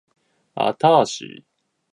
あたし